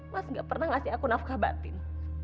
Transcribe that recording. mas gak pernah ngasih aku nafkah batin